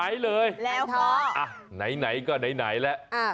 อย่างน้อยก็ได้ไหนแล้ว